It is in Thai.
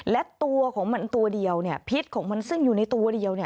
และตัวของมันตัวเดียวพิษของมันซึ่งอยู่ในตัวเดียว